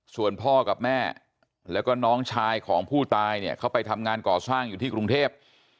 ส่วนพ่อกับแม่แล้วก็น้องชายของผู้ตายเนี่ยเขาไปทำงานก่อสร้างอยู่ที่กรุงเทพ